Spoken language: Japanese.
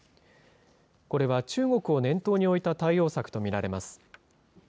これは中国を念頭に置いた対応策と見られます。